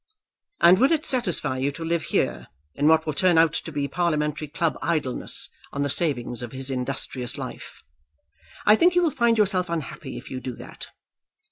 "And will it satisfy you to live here, in what will turn out to be parliamentary club idleness, on the savings of his industrious life? I think you will find yourself unhappy if you do that.